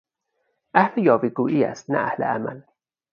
اهل یاوهگویی است نه اهل عمل.